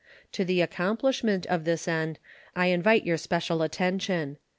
To the accomplishment of this end I invite your special attention.